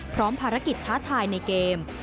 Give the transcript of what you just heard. พร้อมภารกิจท้าทายในเกม